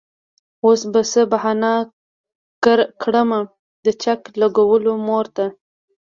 وس به څۀ بهانه کړمه د چک لګولو مور ته